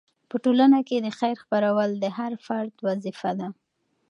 په ټولنه کې د خیر خپرول د هر فرد وظیفه ده.